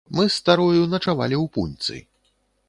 Мы з старою начавалі ў пуньцы.